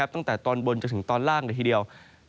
ตั้งแต่ตอนบนจนถึงตอนล่างเลยทีเดียว